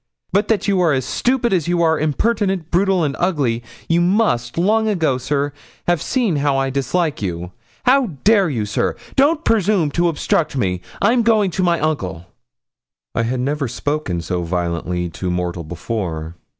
But that you are as stupid as you are impertinent, brutal, and ugly, you must, long ago, sir, have seen how I dislike you. How dare you, sir? Don't presume to obstruct me; I'm going to my uncle.' I had never spoken so violently to mortal before.